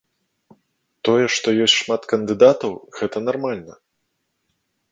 Тое, што ёсць шмат кандыдатаў, гэта нармальна.